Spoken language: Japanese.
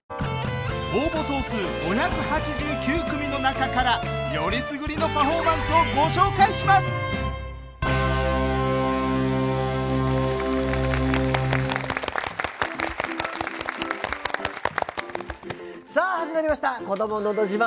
応募総数５８９組の中からよりすぐりのパフォーマンスをご紹介しますさあ始まりました「こどものど自慢」。